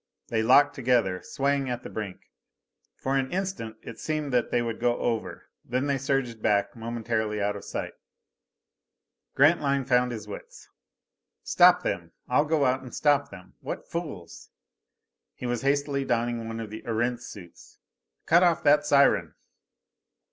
They locked together, swaying at the brink. For an instant it seemed that they would go over; then they surged back, momentarily out of sight. Grantline found his wits. "Stop them! I'll go out and stop them! What fools!" He was hastily donning one of the Erentz suits. "Cut off that siren!"